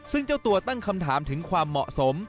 ซึ่งเจ้าตัวตั้งคำถามถึงความเหมาะสม